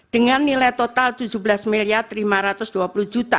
dengan nilai total rp tujuh belas lima ratus dua puluh